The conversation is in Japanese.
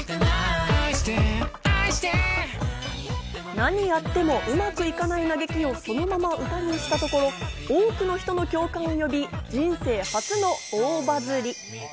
なにやってもうまくいかない嘆きをそのまま歌にしたところ、多くの人の共感を呼び、人生初の大バズり。